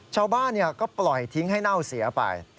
ชาวบ้านก็ปล่อยทิ้งให้เน่าเสียไป